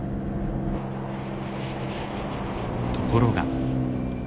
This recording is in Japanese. ところが。